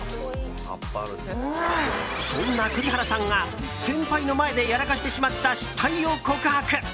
そんな栗原さんが、先輩の前でやらかしてしまった失態を告白。